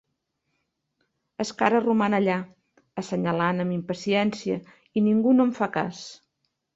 Escara roman allà, assenyalant amb impaciència, i ningú no en fa cas.